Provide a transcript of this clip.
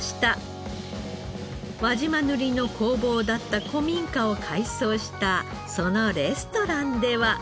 輪島塗の工房だった古民家を改装したそのレストランでは。